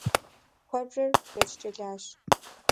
Куэбжэр лэчкӏэ лащ.